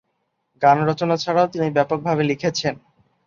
গান রচনা ছাড়াও, তিনি ব্যাপকভাবে লিখেছেন।